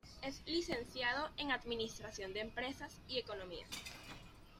Es Licenciado en Administración de Empresas y Economía.